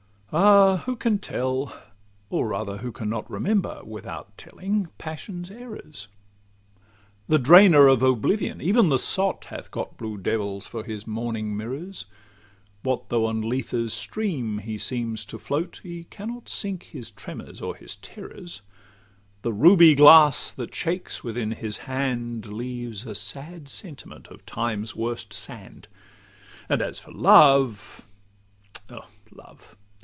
Ah! who can tell? Or rather, who can not Remember, without telling, passion's errors? The drainer of oblivion, even the sot, Hath got blue devils for his morning mirrors: What though on Lethe's stream he seem to float, He cannot sink his tremors or his terrors; The ruby glass that shakes within his hand Leaves a sad sediment of Time's worst sand. And as for love—O love!